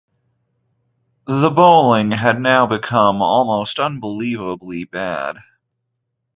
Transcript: The bowling had now become almost unbelievably bad.